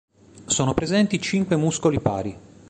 Sono presenti cinque muscoli pari.